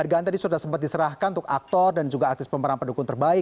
dan tadi sudah sempat diserahkan untuk aktor dan juga artis pemenang pendukung terbaik